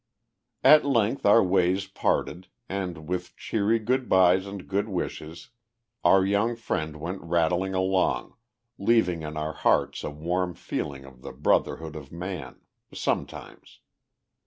At length our ways parted, and, with cheery good byes and good wishes, our young friend went rattling along, leaving in our hearts a warm feeling of the brotherhood of man sometimes.